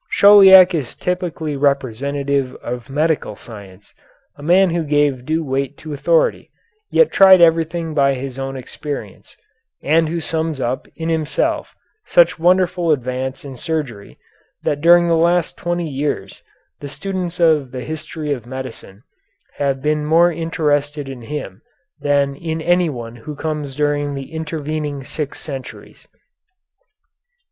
Chauliac is typically representative of medieval science, a man who gave due weight to authority, yet tried everything by his own experience, and who sums up in himself such wonderful advance in surgery that during the last twenty years the students of the history of medicine have been more interested in him than in anyone who comes during the intervening six centuries.